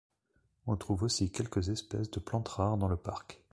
On trouve aussi quelques espèces de plantes rares dans le parc.